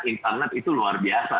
internet itu luar biasa